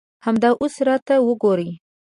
همدا اوس راته وګورئ.